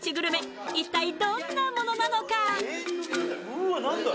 うわ何だ？